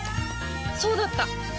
そうだった！